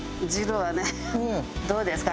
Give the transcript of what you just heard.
どうですか？